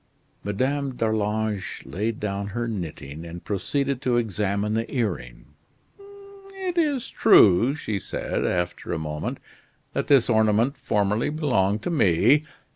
Madame d'Arlange laid down her knitting and proceeded to examine the earring. "It is true," she said, after a moment, "that this ornament formerly belonged to me.